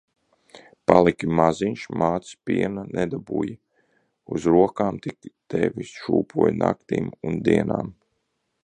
Paliki maziņš, mātes piena nedabūji. Uz rokām tik tevi šūpoju naktīm un dienām.